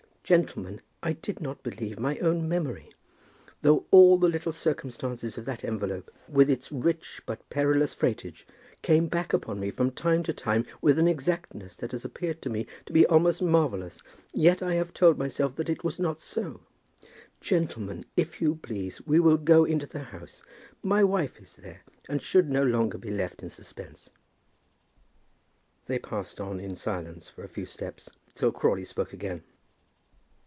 Gentlemen, I did not believe my own memory. Though all the little circumstances of that envelope, with its rich but perilous freightage, came back upon me from time to time with an exactness that has appeared to me to be almost marvellous, yet I have told myself that it was not so! Gentlemen, if you please, we will go into the house; my wife is there, and should no longer be left in suspense." They passed on in silence for a few steps, till Crawley spoke again.